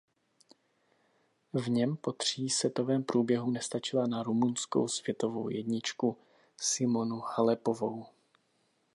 V něm po třísetovém průběhu nestačila na rumunskou světovou jedničku Simonu Halepovou.